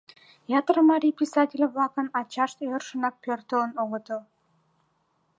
ятыр марий писатель-влакын ачашт йӧршынак пӧртылын огытыл.